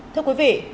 thưa quý vị